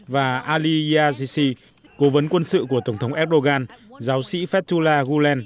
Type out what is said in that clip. và ali yazisi cố vấn quân sự của tổng thống erdogan giáo sĩ fethullah gulen